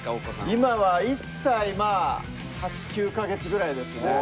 今は１歳まあ８９か月ぐらいですね。